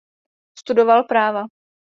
Studoval práva.